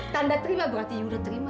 tanda terima berarti yuk udah terima